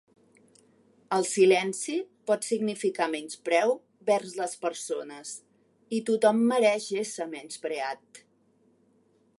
El silenci pot significar menyspreu vers les persones i tothom mereix ésser menyspreat.